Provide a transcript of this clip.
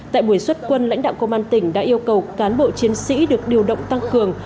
tại buổi xuất quân lãnh đạo công an tỉnh đã yêu cầu cán bộ chiến sĩ được điều động tăng cường